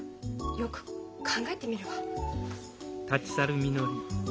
よく考えてみるわ。